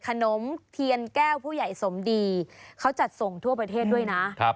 ขนมเทียนแก้วผู้ใหญ่สมดีเขาจัดส่งทั่วประเทศด้วยนะ